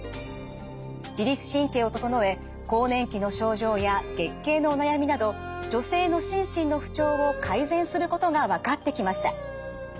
自律神経を整え更年期の症状や月経のお悩みなど女性の心身の不調を改善することが分かってきました。